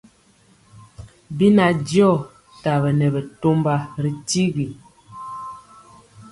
Bina diɔ tabɛne bɛtɔmba ri tyigi.